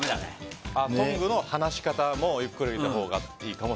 トングの放し方もゆっくりのほうがいいかも。